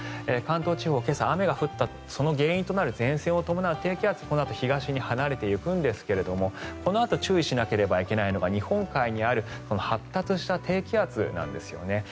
関東地方、今朝雨が降ったその原因となった前線を伴う低気圧このあと東に離れていくんですがこのあと注意しないといけないのが日本海にある発達した低気圧なんですよね。